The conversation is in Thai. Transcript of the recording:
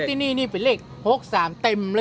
ตอนนี้ก็ไม่มีเวลามาเที่ยวกับเวลา